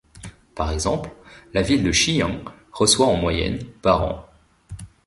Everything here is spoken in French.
Par exemple, la ville de Xi'an reçoit en moyenne par an.